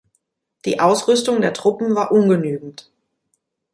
Die Ausrüstung der Truppen war ungenügend.